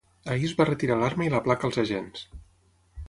Ahir es va retirar l’arma i la placa als agents.